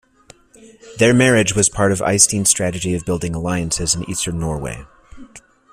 Their marriage was part of Eystein's strategy of building alliances in Eastern Norway.